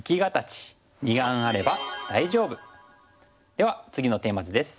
では次のテーマ図です。